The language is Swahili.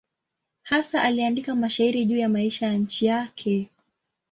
Hasa aliandika mashairi juu ya maisha ya nchi yake.